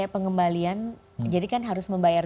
pengembalian jadi kan harus membayar